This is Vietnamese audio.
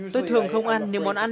tôi thường không ăn nhiều món ăn